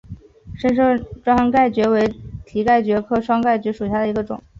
深山双盖蕨为蹄盖蕨科双盖蕨属下的一个种。